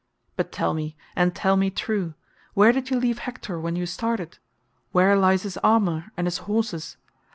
But tell me, and tell me true, where did you leave Hector when you started? Where lies his armour and his horses?